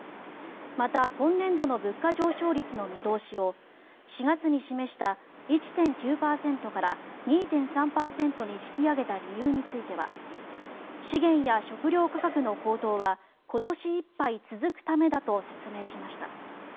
また今年度の物価上昇率の見通しを４月に示した１．９％から２．３％に引き上げた理由については資源や食糧価格の高騰は今年いっぱい続くためだと説明しました。